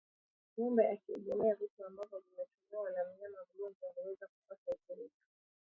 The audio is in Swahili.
Ngombe akiegemea vitu ambavyo vimetumiwa na mnyama mgonjwa huweza kupata ukurutu